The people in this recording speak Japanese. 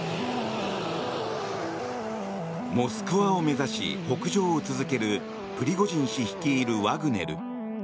モスクワを目指し北上を続けるプリゴジン氏率いるワグネル。